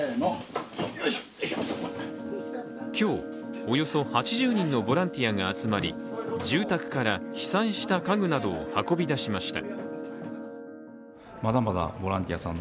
今日、およそ８０人のボランティアが集まり住宅から被災した家具などを運び出しました。